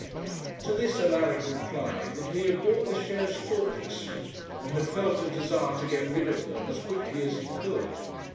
To this Alaric replied that he had bought the shares thoughtlessly, and had felt a desire to get rid of them as quickly as he could.